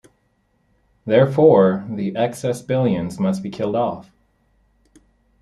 Therefore, the "excess" billions must be killed off.